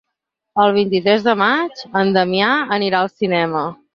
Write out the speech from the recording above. El vint-i-tres de maig en Damià anirà al cinema.